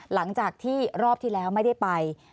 หลังจากที่รอบที่แล้วไม่ได้ไป